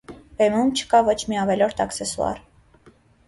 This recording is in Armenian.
Բեմում չկա ոչ մի ավելորդ աքսեսուար։